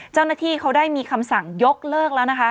เจ้าหน้าที่เขาได้มีคำสั่งยกเลิกแล้วนะคะ